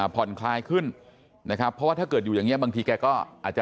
ผ่อนคลายขึ้นนะครับเพราะว่าถ้าเกิดอยู่อย่างเงี้บางทีแกก็อาจจะ